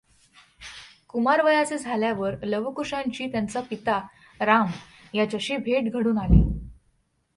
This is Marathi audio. कुमारवयाचे झाल्यावर लव कुशांची त्यांचा पिता राम याच्याशी भेट घडून आली.